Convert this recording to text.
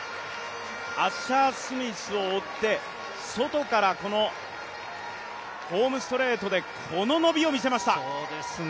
アッシャー・スミスを追って外からホームストレートでこの伸びを見せました。